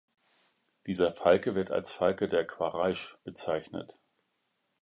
Dieser Falke wird als „Falke der Quraisch“ bezeichnet.